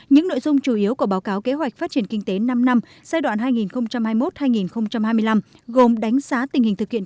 những nội dung chủ yếu của báo cáo kế hoạch phát triển kinh tế năm năm giai đoạn hai nghìn hai mươi một hai nghìn hai mươi năm gồm đánh giá tình hình thực hiện